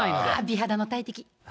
美肌の大敵。